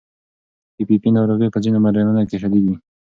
پي پي پي ناروغي په ځینو مېرمنو کې شدید وي.